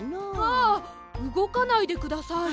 あうごかないでください。